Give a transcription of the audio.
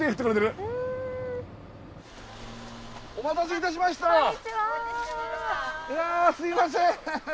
いやすいません。